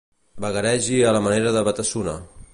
Vagaregi a la manera de Batasuna.